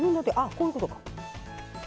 こういうことか。